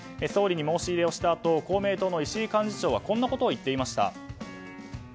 総理に申し入れをしたあと公明党の石井幹事長はこんなことを言っていました。